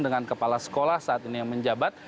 dengan kepala sekolah saat ini yang menjabat